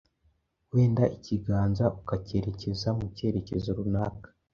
wenda ikiganza ukacyerekeza mu cyerekezo runaka